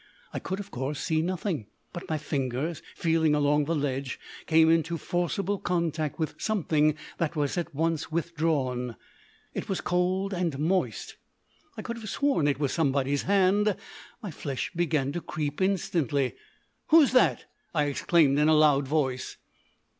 I could, of course, see nothing, but my fingers, feeling along the ledge, came into forcible contact with something that was at once withdrawn. It was cold and moist. I could have sworn it was somebody's hand. My flesh began to creep instantly. "Who's that?" I exclaimed in a loud voice.